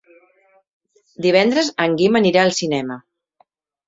Divendres en Guim anirà al cinema.